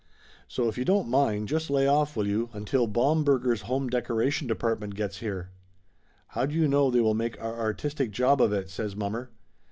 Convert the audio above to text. So if you don't mind, just lay off, will you, until Baumburger's Home Decoration Department gets here." "How do you know they will make a artistic job of it?" says mommer.